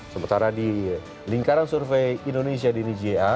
sementara di lingkaran survei indonesia diri ja